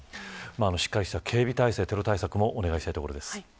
しっかりした警備体制テロ対策をお願いしたいところです。